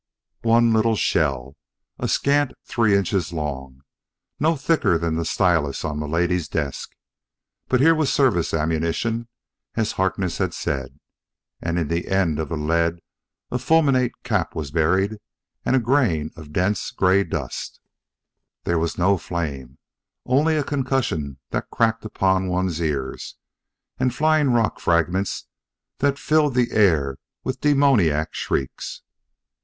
One little shell, a scant three inches long, no thicker than the stylus on milady's desk! But here was service ammunition, as Harkness had said; and in the end of the lead a fulminate cap was buried and a grain of dense, gray dust! There was no flame only a concussion that cracked upon one's ears, and flying rock fragments that filled the air with demoniac shrieks.